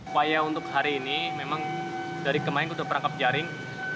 upaya untuk hari ini memang dari kemarin sudah perangkap jaring